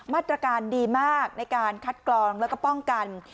มาตรการดีมากในการคัดกรองแล้วก็ป้องกัน